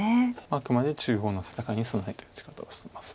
あくまで中央の戦いに備えた打ち方をしてます。